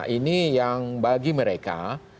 ini yang bagi mereka